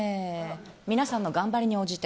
皆さんの頑張りに応じて。